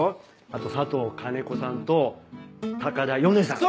あと佐藤カネコさんと高田ヨネさん。